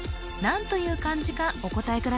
何という漢字かお答え